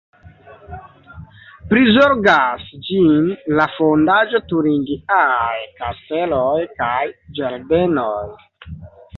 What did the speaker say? Prizorgas ĝin la "Fondaĵo Turingiaj Kasteloj kaj Ĝardenoj.